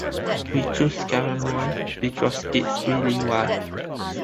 We chose Caramoan because it's really wild.